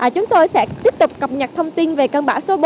chúng tôi sẽ tiếp tục cập nhật thông tin về cơn bão số bốn